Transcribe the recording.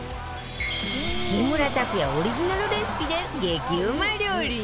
木村拓哉オリジナルレシピで激ウマ料理に